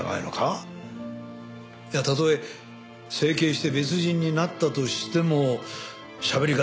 いやたとえ整形して別人になったとしてもしゃべり方